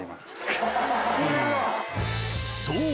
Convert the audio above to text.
そう